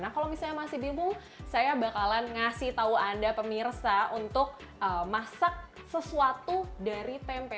nah kalau misalnya masih bingung saya bakalan ngasih tahu anda pemirsa untuk masak sesuatu dari tempe